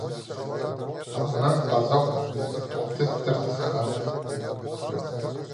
Анаң пазох тӱптестір сыххан: